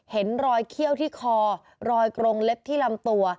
เห็นรอยเขี้ยวที่คอรอยกรงเล็บที่ลำตัว